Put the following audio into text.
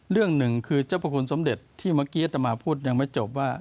เรื่องหนึ่งคือเจ้าพระคุณสมเด็จที่เมื่อกี้อัตมาพูดยังไม่จบว่า